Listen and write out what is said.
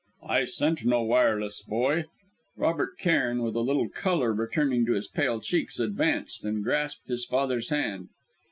"I sent no wireless, boy!" Robert Cairn, with a little colour returning to his pale cheeks, advanced and grasped his father's hand.